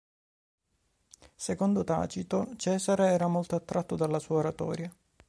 Secondo Tacito, Cesare era molto attratto dalla sua oratoria.